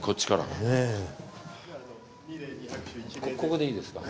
ここでいいですか？